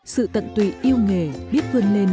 sự tận tùy yêu nghề biết vươn lên